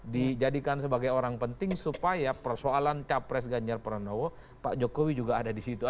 dijadikan sebagai orang penting supaya persoalan capres ganjar pranowo pak jokowi juga ada di situ